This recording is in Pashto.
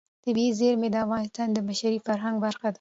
طبیعي زیرمې د افغانستان د بشري فرهنګ برخه ده.